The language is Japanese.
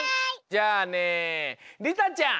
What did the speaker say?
じゃあねりたちゃん。